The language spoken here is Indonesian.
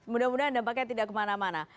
mudah mudahan dampaknya tidak kemana mana